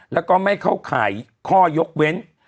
แล้วก็ไม่เข้าข่ายข้อยกเว้น